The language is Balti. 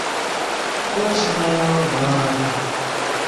اونگس نہ ن٘ا دُوکتُوک